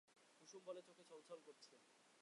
কুসুম বলে, চোখ ছলছল করছে।